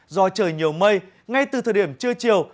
do trời nhiều mây ngay từ thời điểm trưa chiều